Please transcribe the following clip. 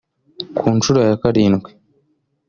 Ku nshuro ya karindwi